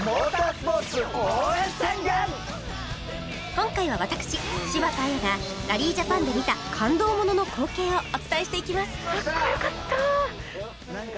今回は私柴田阿弥がラリージャパンで見た感動ものの光景をお伝えしていきます